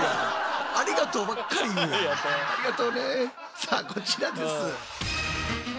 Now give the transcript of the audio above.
さあこちらです。